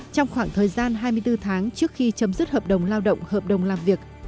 trong khoảng thời gian hai mươi bốn tháng trước khi chấm dứt hợp đồng lao động hợp đồng làm việc